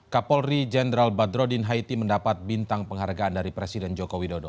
kapolri jenderal badrodin haiti mendapat bintang penghargaan dari presiden joko widodo